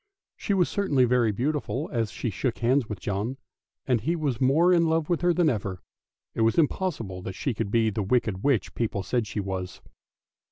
She was certainly very beautiful as she shook hands with John, and he was more in love with her than ever; it was impossible that she could be the wicked witch people said she was.